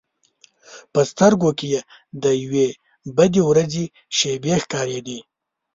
په سترګو کې یې د یوې بدې ورځې شېبې ښکارېدې.